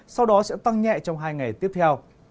sau đó sẽ tăng nhẹ trong hai ngày tiếp theo